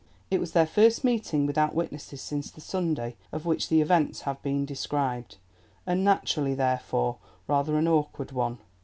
It was their first meeting without witnesses since the Sunday of which the events have been described, and, naturally, therefore, rather an awkward one.